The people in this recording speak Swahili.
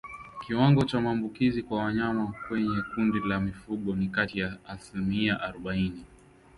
Kiwango cha maambukizi kwa wanyama kwenye kundi la mifugo ni kati ya asilimi arobaini